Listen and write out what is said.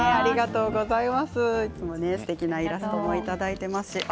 いつもすてきなイラストをいただいています。